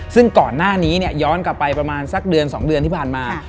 ซึ่งก่อนหน้านี้ย้อนกลับไปประมาณสักเดือน๒เดือนที่ผ่านมา